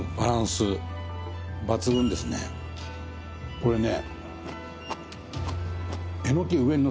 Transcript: これね。